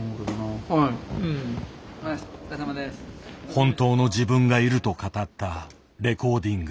本当の自分がいると語ったレコーディング。